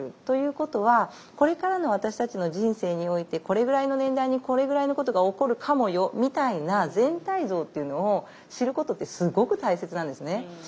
ということはこれからの私たちの人生においてこれぐらいの年代にこれぐらいのことが起こるかもよみたいな全体像というのを知ることってすごく大切なんですね。